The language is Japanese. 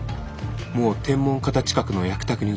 もう天文方近くの役宅に移ったか。